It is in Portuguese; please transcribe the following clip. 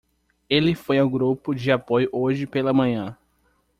Ele foi ao grupo de apoio hoje pela manhã.